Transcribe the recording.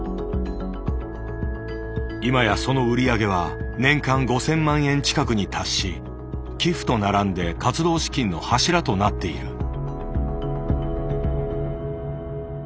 今やその売り上げは年間５，０００万円近くに達し寄付と並んで活動資金の柱となっている。